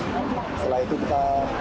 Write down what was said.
setelah itu kita